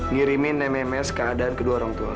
ngirimin mms keadaan kedua orang tua